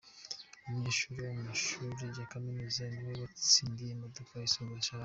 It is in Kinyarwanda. Umunyeshuri wo mumashuri Yakaminuza ni we watsindiye imodoka isoza Sharama